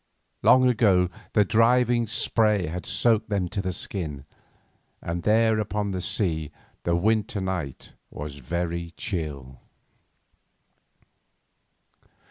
Long ago the driving spray had soaked them to the skin, and there upon the sea the winter night was very chill.